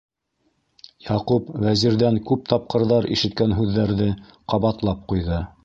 Яҡуп Вәзирҙән күп тапҡырҙар ишеткән һүҙҙәрҙе ҡабатлап ҡуйҙы: